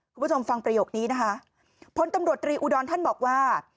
คุณผู้ชมฟังประโยคนี้นะคะพลตำรวจตรีอุดรท่านบอกว่า